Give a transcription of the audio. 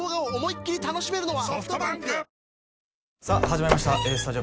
さあ始まりました